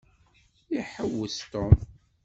Iḥewwes Tom.